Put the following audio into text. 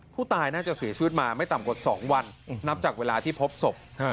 ผู้ตายน่าจะเสียชีวิตมาไม่ต่ำกว่า๒วันนับจากเวลาที่พบศพ